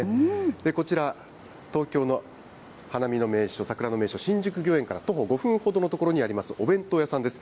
こちら、東京の花見の名所、桜の名所、新宿御苑から徒歩５分ほどの所にありますお弁当屋さんです。